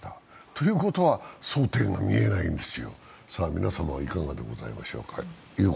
ということは、争点が見えないんですよ、皆様はいかがでございましょう。